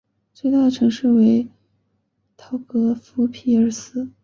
最大城市为陶格夫匹尔斯。